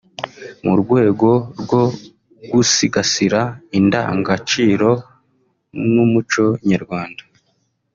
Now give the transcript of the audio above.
mu rwego rwo gusigasira indangaciro n’umuco nyarwanda